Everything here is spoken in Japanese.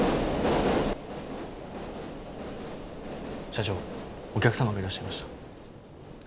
社長お客様がいらっしゃいました。